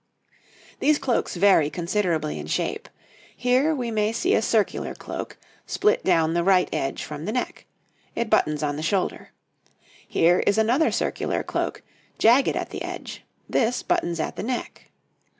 These cloaks vary considerably in shape. Here we may see a circular cloak, split down the right side from the neck, it buttons on the shoulder. Here is another circular cloak, jagged at the edge; this buttons at the neck.